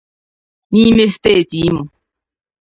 n'ime steeti Imo